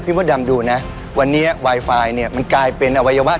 พี่มดดำดูนะวันนี้ว่าวายไฟมันกลายเป็น